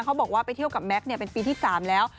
บอกว่าไปเที่ยวกับแม็กซ์เป็นปีที่๓แล้ว